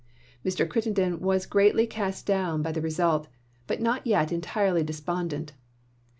Mr. Crittenden was greatly cast down by the result, but not yet entirely despondent.